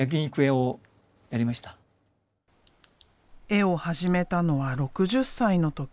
絵を始めたのは６０歳の時。